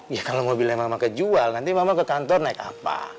ya kalau mobilnya mama kejual nanti mama ke kantor naik apa